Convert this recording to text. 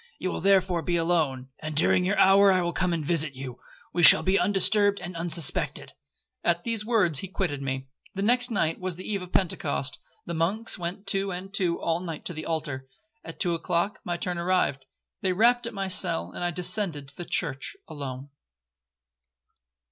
You will therefore be alone, and during your hour I will come and visit you,—we shall be undisturbed and unsuspected.' At these words he quitted me. The next night was the eve of Pentecost, the monks went two and two all night to the altar,—at two o'clock my turn arrived. They rapped at my cell, and I descended to the church alone.'